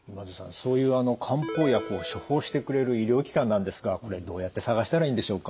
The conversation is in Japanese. そういう漢方薬を処方してくれる医療機関なんですがこれどうやって探したらいいんでしょうか？